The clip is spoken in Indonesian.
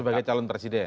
sebagai calon presiden